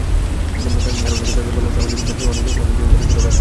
কারণ, এখানে তাদের বাড়ি হলেও স্বামীর চাকরিসূত্রে অনেক দিনই তারা ছিল বাইরে।